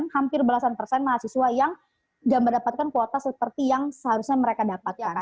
hampir belasan persen mahasiswa yang mendapatkan kuota seperti yang seharusnya mereka dapatkan